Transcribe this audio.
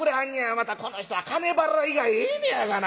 またこの人は金払いがええねやがな。